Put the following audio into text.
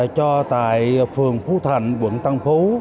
cho tại phường phú thành quận tân phú